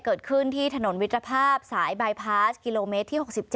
เกิดขึ้นที่ถนนมิตรภาพสายบายพาสกิโลเมตรที่๖๗